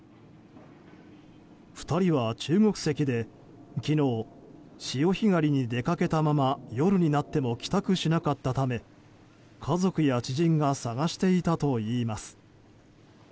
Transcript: ２人は中国籍で昨日、潮干狩りに出掛けたまま夜になっても帰宅しなかったため家族や知人が捜していたといいます。